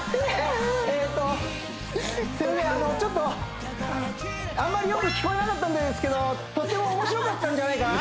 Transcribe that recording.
あのちょっとあんまりよく聞こえなかったんですけどとっても面白かったんじゃないかな？